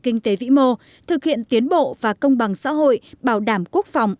kinh tế vĩ mô thực hiện tiến bộ và công bằng xã hội bảo đảm quốc phòng